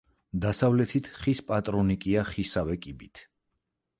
დასავლეთით ხის პატრონიკეა ხისავე კიბით.